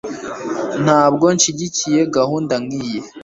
Ntabwo nshyigikiye gahunda nkiyi